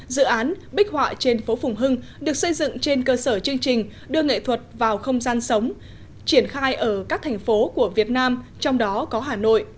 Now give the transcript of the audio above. dự án bích họa trên phố phùng hưng được xây dựng trên cơ sở chương trình đưa nghệ thuật vào không gian sống triển khai ở các thành phố của việt nam trong đó có hà nội